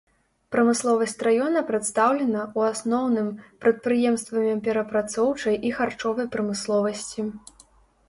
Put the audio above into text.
Прамысловасць раёна прадстаўлена, у асноўным, прадпрыемствамі перапрацоўчай і харчовай прамысловасці.